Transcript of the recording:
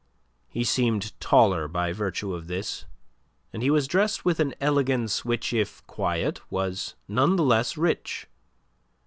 He seemed taller by virtue of this, and he was dressed with an elegance which if quiet was none the less rich.